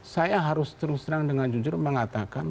saya harus terus terang dengan jujur mengatakan